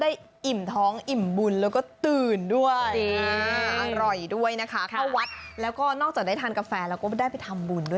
อิ่มท้องอิ่มบุญแล้วก็ตื่นด้วยอร่อยด้วยนะคะเข้าวัดแล้วก็นอกจากได้ทานกาแฟแล้วก็ได้ไปทำบุญด้วย